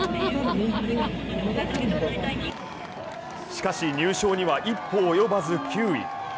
しかし入賞には一歩及ばず９位。